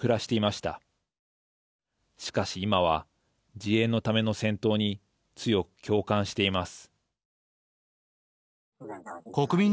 しかし今は「自衛のための戦闘」に強く共感しています。